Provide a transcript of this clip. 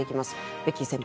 ベッキー先輩